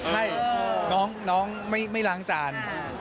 ใช่น้องไม่ล้างจาน